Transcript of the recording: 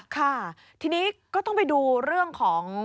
ค่ะทีนี้ก็ต้องไปดูเรื่องของ